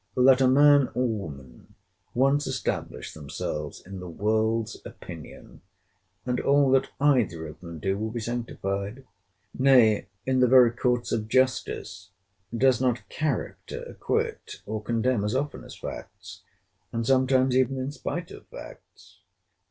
Let a man or woman once establish themselves in the world's opinion, and all that either of them do will be sanctified. Nay, in the very courts of justice, does not character acquit or condemn as often as facts, and sometimes even in spite of facts?